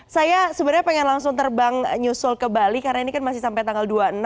saya sebenarnya pengen langsung terbang nyusul ke bali karena ini kan masih sampai tanggal dua puluh enam